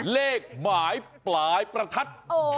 เลขหมายปลายประทัด